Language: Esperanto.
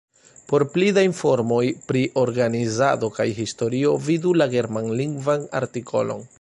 Por pli da informoj pri organizado kaj historio vidu la germanlingvan artikolon.